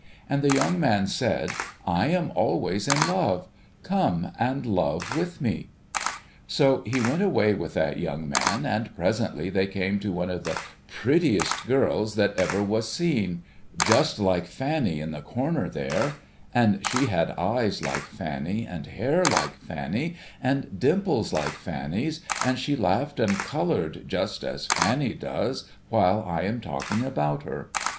And the young man said, ' I am always in love. Come and love with me.' So, he went away with that young man, and presently they came to one of the prettiest girls that ever was seen — just like Fanny in the corner there — and she had eyes like Fanny, and hair like Fanny, and dimples like Fanny's, and she laughed and coloured just as Fanny does while I am talking about her.